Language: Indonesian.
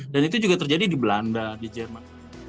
dan itu juga terjadi di belanda di jerman